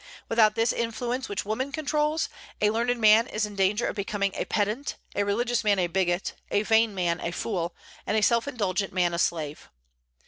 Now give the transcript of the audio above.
Without this influence which woman controls, "a learned man is in danger of becoming a pedant, a religious man a bigot, a vain man a fool, and a self indulgent man a slave."